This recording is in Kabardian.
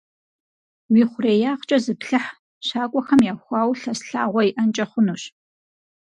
Уи хъуреягъкӏэ зыплъыхь, щакӏуэхэм яхуауэ лъэс лъагъуэ иӏэнкӏэ хъунущ.